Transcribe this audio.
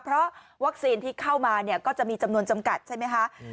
เพราะวัคซีนที่เข้ามาเนี่ยก็จะมีจำนวนจำกัดใช่ไหมคะ